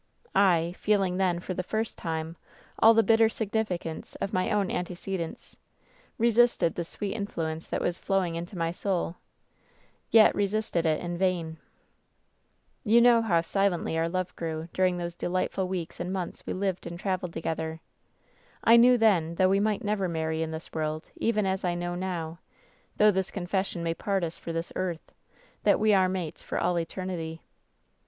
P "I — feeling then, for the first time, all the bitter sig^ '>^:'^^ I '( i ''"^:^ f 222 WHEN SHADOWS DIE nificance of my own antecedents — resisted the sweet in fluence that was flowing into my soul, yet — resisted it in vain ! ^^You know how silently our love grew, during those delightful weeks and months we lived and traveled to gether. "I knew then, though we might never marry in this world, even as I know now— though this confession may part us for this earth — that we are mates for all eternity.